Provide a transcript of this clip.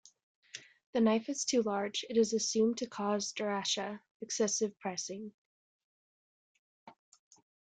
If the knife is too large, it is assumed to cause "Derasah", excessive pressing.